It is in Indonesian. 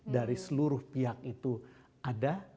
dari seluruh pihak itu ada